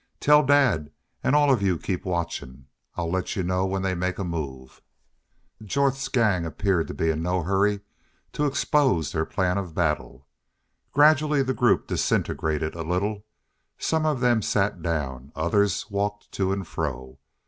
Tell dad, an' all of you keep watchin'. I'll let you know when they make a move." Jorth's gang appeared to be in no hurry to expose their plan of battle. Gradually the group disintegrated a little; some of them sat down; others walked to and fro.